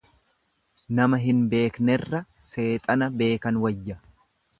Nama hin beeknerra seexana beekan wayya.